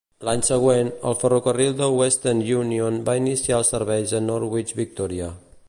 L'any següent, el ferrocarril de l'Eastern Union va iniciar els serveis a Norwich Victoria.